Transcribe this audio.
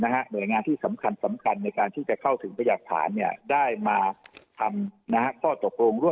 หน่วยงานที่สำคัญในการ